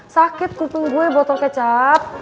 sakit kupung gue botol kecap